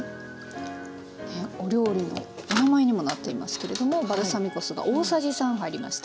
お料理のお名前にもなっていますけれどもバルサミコ酢が大さじ３入りました。